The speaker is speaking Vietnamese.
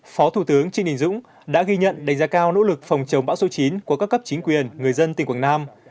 phó thủ tướng trịnh đình dũng đã ghi nhận đánh giá cao nỗ lực phòng chống bão số chín của các cấp chính quyền người dân tỉnh quảng nam